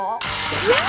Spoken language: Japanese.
さあ